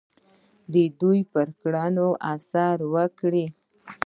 دوی پر کړنو اثر وکړي.